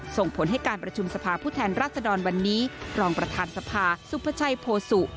ส่งผลให้การประชุมสภาผู้แทนรัศดรวันนี้รองประธานสภาสุภาชัยโพสุ